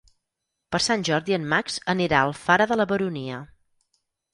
Per Sant Jordi en Max anirà a Alfara de la Baronia.